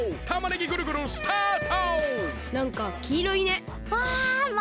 たまねぎぐるぐるスタート！